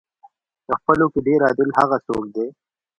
په خپلو کې ډېر عادل هغه څوک دی.